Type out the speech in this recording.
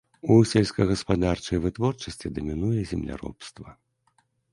У сельскагаспадарчай вытворчасці дамінуе земляробства.